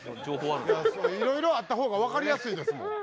いろいろあった方がわかりやすいですもん。